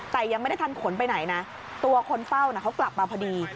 แต่ยังไม่ได้ทันขนไปไหนนะตัวคนเฝ้าเขากลับมาพอดี